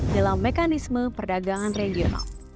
dalam mekanisme perdagangan regional